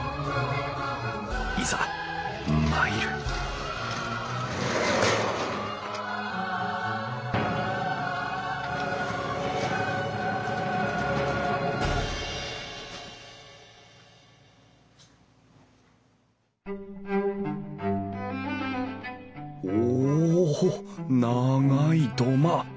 いざ参るおお長い土間。